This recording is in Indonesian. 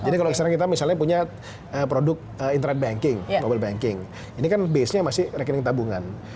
jadi kalau misalnya kita punya produk internet banking mobile banking ini kan base nya masih rekening tabungan